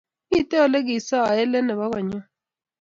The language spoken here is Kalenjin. Mito ole kisae let nebo konnyu